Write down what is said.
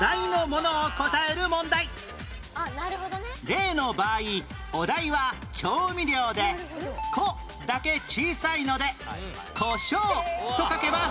例の場合お題は「調味料」で「こ」だけ小さいので「こしょう」と書けば正解です